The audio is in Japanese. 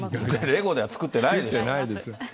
レゴでは作ってないでしょ。